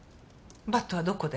バットはどこで？